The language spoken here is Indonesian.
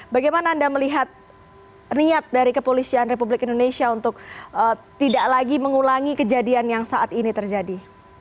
bagaimana anda melihat niat dari kepolisian republik indonesia untuk tidak lagi mengulangi kejadian yang saat ini terjadi